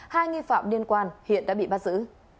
hai nghi phạm liên quan hiện đã bị bắt giữ